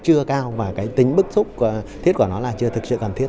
chưa cao và cái tính bức xúc thiết của nó là chưa thực sự cần thiết